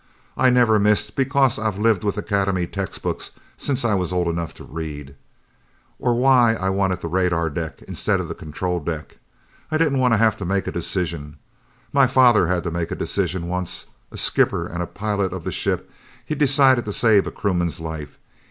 I never missed because I've lived with Academy textbooks since I was old enough to read. Or why I wanted the radar deck instead of the control deck. I didn't want to have to make a decision! My father had to make a decision once. As skipper and pilot of the ship he decided to save a crewman's life.